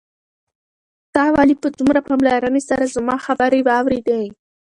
تا ولې په دومره پاملرنې سره زما خبرې واورېدې؟